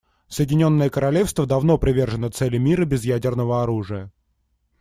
Соединенное Королевство давно привержено цели мира без ядерного оружия.